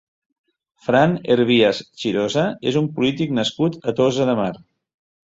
Fran Hervías Chirosa és un polític nascut a Tossa de Mar.